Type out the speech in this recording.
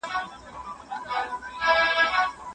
په ډېره ساده ژبه بیان کړی وو، خوښ سو.